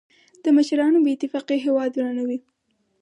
د مشرانو بې اتفاقي هېواد ورانوي.